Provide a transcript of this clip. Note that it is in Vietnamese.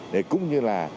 để cũng như là